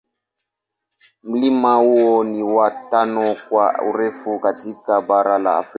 Mlima huo ni wa tano kwa urefu katika bara la Afrika.